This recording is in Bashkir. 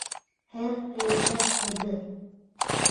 Һеҙ һәйбәтһегеҙ!